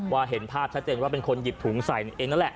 เห็นภาพชัดเจนว่าเป็นคนหยิบถุงใส่เองนั่นแหละ